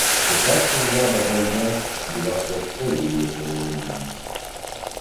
Спочатку влада даймьо була слабкою у його володіннях.